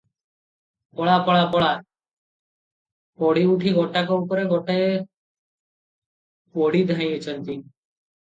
ପଳା- ପଳା- ପଳା! ପଡ଼ି ଉଠି ଗୋଟାକ ଉପରେ ଗୋଟାଏ ପଡ଼ି ଧାଇଁଛନ୍ତି ।